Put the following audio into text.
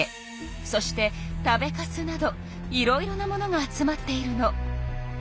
そして食べカスなどいろいろなものが集まっているの。